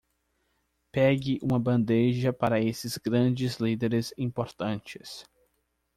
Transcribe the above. Pegue uma bandeja para esses grandes líderes importantes.